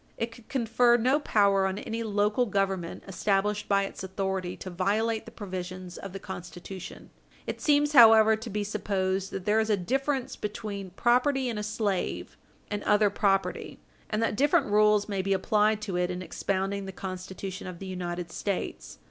It could confer no power on any local Government established by its authority to violate the provisions of the Constitution. It seems, however, to be supposed that there is a difference between property in a slave and other property and that different rules may be applied to it in expounding the Constitution of the United States.